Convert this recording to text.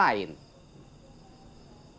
itu pelayanan sih